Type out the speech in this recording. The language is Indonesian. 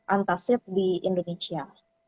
antaset di indonesia